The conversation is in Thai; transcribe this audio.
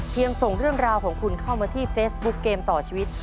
ส่งเรื่องราวของคุณเข้ามาที่เฟซบุ๊คเกมต่อชีวิต